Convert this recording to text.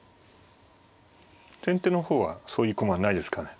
先手の方はそういう駒はないですからね。